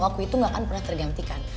waktu itu gak akan pernah tergantikan